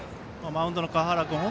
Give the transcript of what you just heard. マウンドの川原君